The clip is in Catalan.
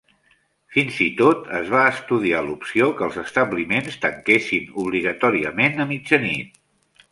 Fins i tot es va estudiar l'opció que els establiments tanquessin obligatòriament a mitjanit.